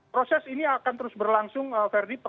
proses ini akan terus berlangsung verdi